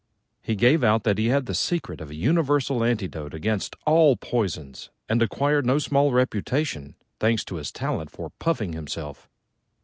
He gave out that he had the secret of a universal antidote against all poisons, and acquired no small reputation, thanks to his talent for puffing himself.